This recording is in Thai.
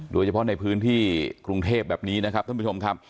โดยเฉพาะในพื้นที่กรุงเทพแบบนี้นะครับท่านผู้ชมครับ